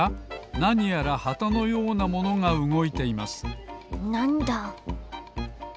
なにやらはたのようなものがうごいていますなんだ？